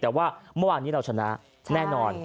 แต่ว่าเมื่อวานนี้เราชนะแน่นอน